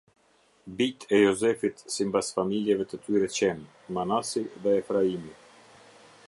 Bijtë e Jozefit simbas familjeve të tyre qenë: Manasi dhe Efraimi.